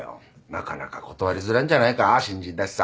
なかなか断りづらいんじゃないか新人だしさ。